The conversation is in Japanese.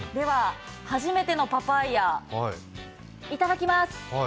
初めてのパパイヤいただきます。